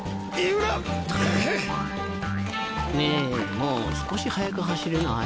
もう少し速く走れない？